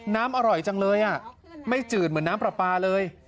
น้ำอร่อยจังเลยไม่จืดเหมือนน้ำปลาปลาเลย